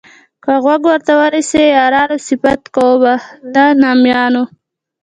که غوږ ورته ونیسئ یارانو صفت کومه د نامیانو.